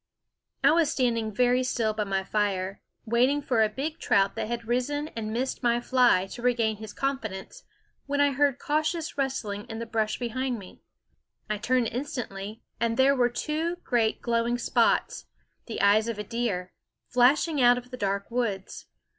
I was standing very still by my fire, waiting for a big trout that had risen and missed my fly to regain his confidence, when I heard cautious rustlings in the brush behind me. I turned instantly, and there were two great glowing spots, the eyes of a deer, flashing out of the dark woods.